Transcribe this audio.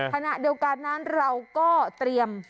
ขณะเดียวกันนั้นเราก็เตรียม